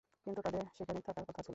কিন্ত তাদের সেখানে থাকার কথা ছিল।